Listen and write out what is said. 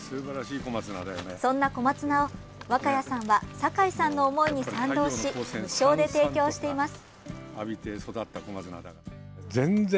そんな小松菜を、若谷さんは堺さんの思いに賛同し無償で提供しています。